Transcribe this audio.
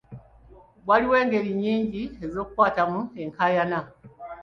Waliwo engeri nnyingi ez'okukwatamu enkaayana.